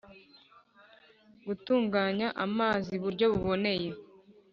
Gutunganya amazi buryo buboneye